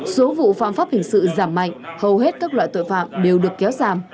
số vụ phạm pháp hình sự giảm mạnh hầu hết các loại tội phạm đều được kéo giảm